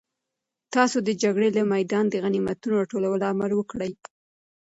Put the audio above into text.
تاسو د جګړې له میدانه د غنیمتونو د راټولولو امر وکړئ.